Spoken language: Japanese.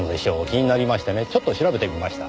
気になりましてねちょっと調べてみました。